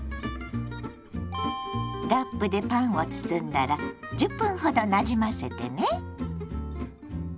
ラップでパンを包んだら１０分ほどなじませてね。